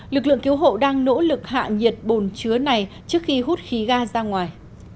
lực lượng cứu hộ đang nỗ lực hạ nhiệt bồn chứa này trước khi hút khí ga ra ngoài